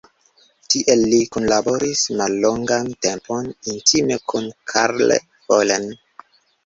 Tie li kunlaboris mallongan tempon intime kun Karl Follen.